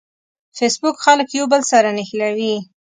فېسبوک خلک یو بل سره نښلوي